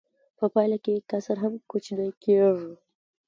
په پایله کې کسر هم کوچنی کېږي